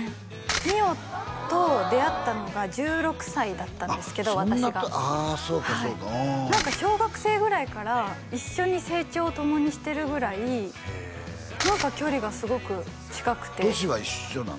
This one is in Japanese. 美桜と出会ったのが１６歳だったんですけど私があそうかそうか小学生ぐらいから一緒に成長を共にしてるぐらい距離がすごく近くて年は一緒なん？